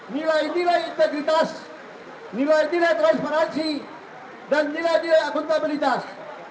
nilai nilai integritas nilai nilai transparansi dan nilai nilai akuntabilitas